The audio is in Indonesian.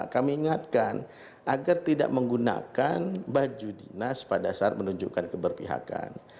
kami ingatkan agar tidak menggunakan baju dinas pada saat menunjukkan keberpihakan